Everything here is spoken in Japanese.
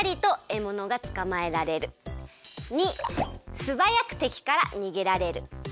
②すばやくてきからにげられる。